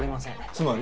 つまり？